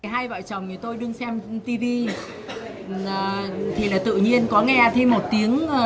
hai vợ chồng tôi đứng xem tivi thì là tự nhiên có nghe thêm một tiếng nổ